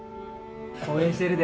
応援してるで。